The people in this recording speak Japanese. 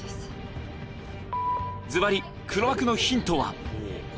ずばり、黒幕のヒントは。